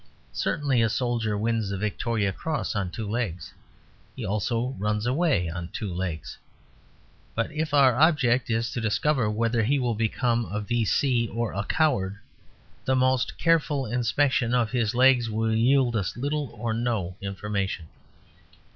Certainly a soldier wins the Victoria Cross on two legs; he also runs away on two legs. But if our object is to discover whether he will become a V.C. or a coward the most careful inspection of his legs will yield us little or no information.